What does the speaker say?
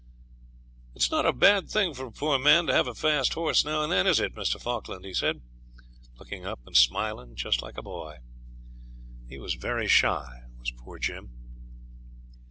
'It's not a bad thing for a poor man to have a fast horse now and then, is it, Mr. Falkland?' he said, looking up and smiling, just like a boy. He was very shy, was poor Jim.